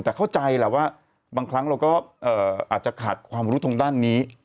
แต่เข้าใจแหละว่าบางครั้งเราก็อาจจะขาดความรู้ทางด้านนี้